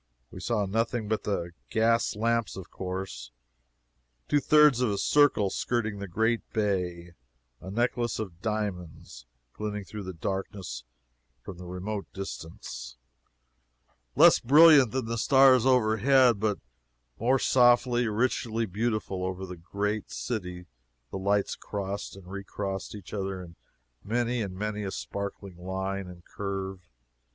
We saw nothing but the gas lamps, of course two thirds of a circle, skirting the great Bay a necklace of diamonds glinting up through the darkness from the remote distance less brilliant than the stars overhead, but more softly, richly beautiful and over all the great city the lights crossed and recrossed each other in many and many a sparkling line and curve.